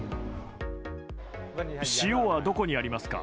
塩はどこにありますか？